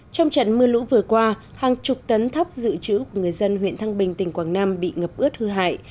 trong trận mưa lũ vừa qua hàng chục tấn thóc dự trữ của người dân huyện thăng bình tỉnh quảng nam bị ngập ướt hư hại